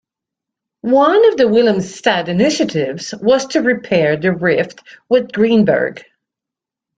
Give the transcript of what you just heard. One of Willumstad's initiatives was to repair the rift with Greenberg.